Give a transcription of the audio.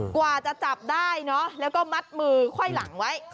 กว่าจะจับได้เนอะแล้วก็มัดมือไขว้หลังไว้